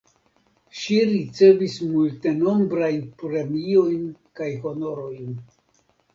Ŝi ricevis multenombrajn premiojn kaj honorojn.